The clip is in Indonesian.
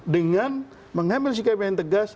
dengan mengambil sikap yang tegas